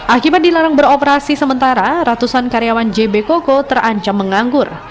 akibat dilarang beroperasi sementara ratusan karyawan jb koko terancam menganggur